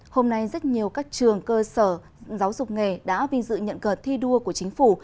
hôm nay rất nhiều các trường cơ sở giáo dục nghề đã vinh dự nhận cờ thi đua của chính phủ